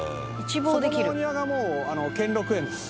そこのお庭がもう兼六園です。